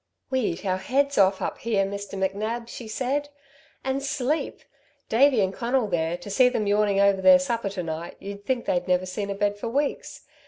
"We eat our heads off, up here, Mr. McNab," she said. "And sleep! Davey and Conal there, to see them yawning over their supper to night you'd think they'd never seen a bed for weeks.